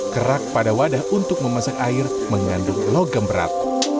kerak pada wadah untuk memasak air mengandung logam berat